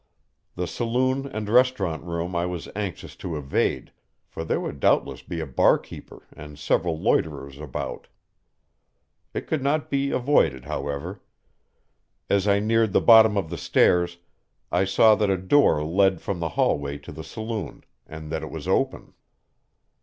The saloon and restaurant room I was anxious to evade, for there would doubtless be a barkeeper and several loiterers about. It could not be avoided, however. As I neared the bottom of the stairs, I saw that a door led from the hallway to the saloon, and that it was open.